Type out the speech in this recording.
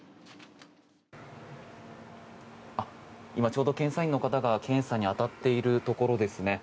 今、ちょうど検査員の方が検査に当たっているところです。